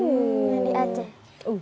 yang di aceh